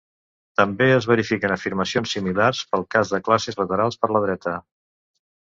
També es verifiquen afirmacions similars pel cas de classes laterals per la dreta.